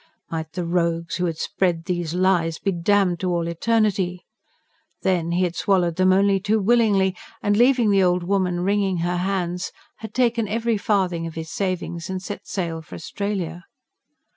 Might the rogues who had spread these lies be damned to all eternity! Then, he had swallowed them only too willingly; and, leaving the old woman wringing her hands, had taken every farthing of his savings and set sail for Australia.